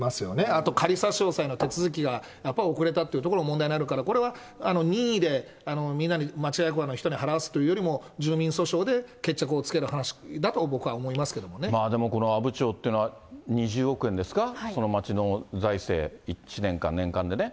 あと、仮差し押さえの手続きが、やっぱ遅れたというところが問題になるから、これは任意でみんな、町役場の人に払わせるというよりも住民訴訟で決着をつける話だと、この阿武町というのは、２０億円ですか、その町の財政、１年間、年間でね。